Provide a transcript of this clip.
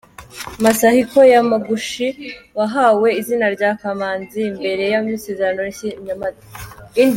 Masahiko Yamaguchi wahawe izina rya Kamanzi imbere y’isomero yashinze i Nyamata.